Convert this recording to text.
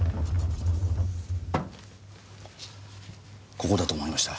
ここだと思いました。